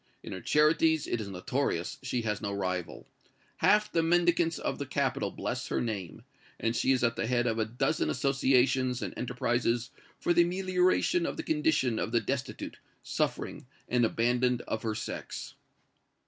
In her charities, it is notorious, she has no rival. Half the mendicants of the capital bless her name, and she is at the head of a dozen associations and enterprises for the amelioration of the condition of the destitute, suffering and abandoned of her sex."